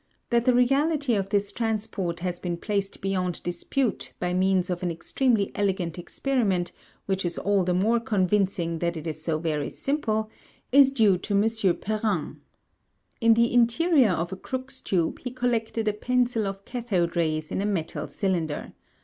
That the reality of this transport has been placed beyond dispute by means of an extremely elegant experiment which is all the more convincing that it is so very simple, is due to M. Perrin. In the interior of a Crookes tube he collected a pencil of cathode rays in a metal cylinder.